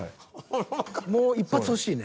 もう一発欲しいね。